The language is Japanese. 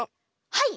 はい。